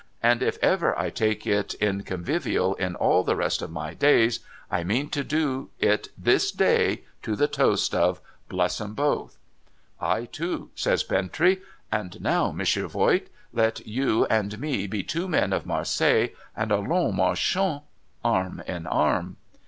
And if ever I take it in convivial, in all the rest of my days, I mean to do it this day, to the toast of " Bless 'em both." '' I, too !' says Bintrey. ' And now. Monsieur Voigt, let you and me be two men of Marseilles, and allons, marchons, arm in arm